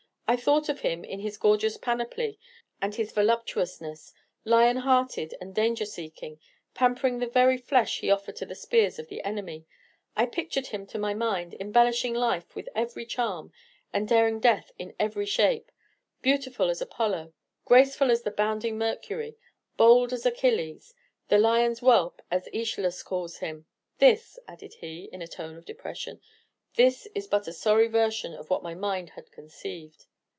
I thought of him in his gorgeous panoply, and his voluptuousness; lion hearted and danger seeking, pampering the very flesh he offered to the spears of the enemy. I pictured him to my mind, embellishing life with every charm, and daring death in every shape, beautiful as Apollo, graceful as the bounding Mercury, bold as Achilles, the lion's whelp, as Æschylus calls him. This," added he, in a tone of depression, "this is but a sorry version of what my mind had conceived."